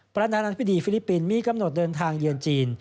ประธานาธิบดีฟิลิปปินส์มีกำหนดเดินทางเยือนจีน